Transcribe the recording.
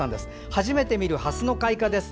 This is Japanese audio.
初めて見るハスの開花です。